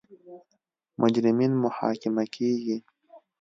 مجرمین محاکمه کیږي.